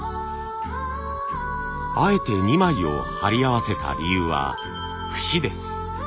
あえて２枚を貼り合わせた理由は節です。